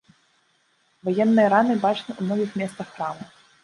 Ваенныя раны бачны ў многіх месцах храма.